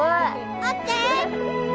オッケー！